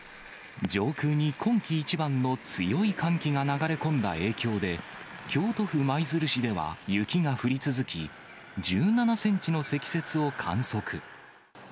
上空に今季一番の強い寒気が流れ込んだ影響で、京都府舞鶴市では雪が降り続き、１７センチの積雪を観測。